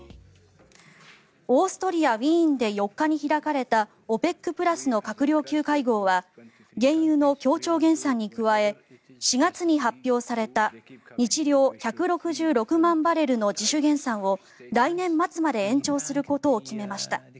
オーストリア・ウィーンで４日に開かれたＯＰＥＣプラスの閣僚級会合は原油の協調減産に加え４月に発表された日量１６６万バレルの自主減産を来年末まで延長することを決めました。